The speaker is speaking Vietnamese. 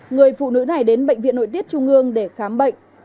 người phụ nữ này đến bệnh viện nội tiết trung ương để khám bệnh